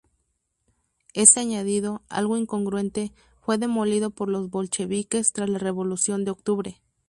Este añadido, algo incongruente, fue demolido por los bolcheviques tras la Revolución de Octubre.